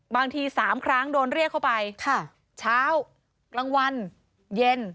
บางที๓ครั้งโดนเรียกเข้าไปเช้ากลางวันเย็น